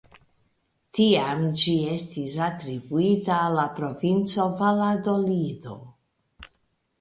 Tiam ĝi estis atribuita al la provinco Valadolido.